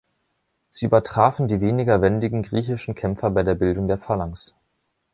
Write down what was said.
Sie übertrafen die weniger wendigen griechischen Kämpfer bei der Bildung der Phalanx.